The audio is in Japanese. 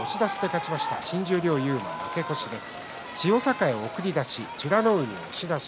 新十両、勇磨は負け越しです。